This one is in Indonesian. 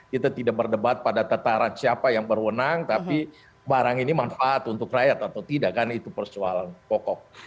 kita tidak berdebat pada tataran siapa yang berwenang tapi barang ini manfaat untuk rakyat atau tidak kan itu persoalan pokok